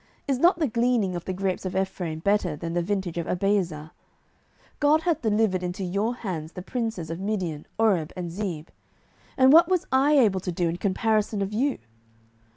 Is not the gleaning of the grapes of Ephraim better than the vintage of Abiezer? 07:008:003 God hath delivered into your hands the princes of Midian, Oreb and Zeeb: and what was I able to do in comparison of you?